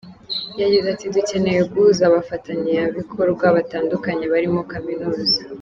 Yagize ati “Dukeneye guhuza abafatanyabikorwa batandukanye barimo kaminuza.